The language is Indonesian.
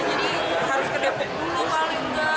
jadi harus ke depok dulu paling enggak